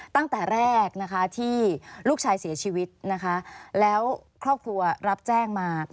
ตั้งแต่แรกนะคะที่ลูกชายเสียชีวิตนะคะแล้วครอบครัวรับแจ้งมา